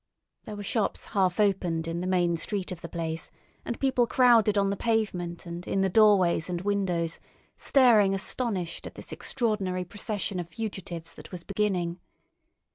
There were shops half opened in the main street of the place, and people crowded on the pavement and in the doorways and windows, staring astonished at this extraordinary procession of fugitives that was beginning.